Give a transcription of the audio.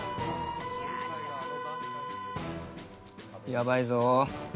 やばいぞ。